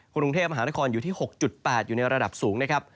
กรุงเทพฯมหาละครอยู่ที่๖๘อยู่ในระดับสูง